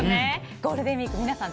ゴールデンウィーク皆さん